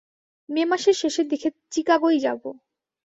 মে মাসের শেষের দিকে চিকাগোয় যাব।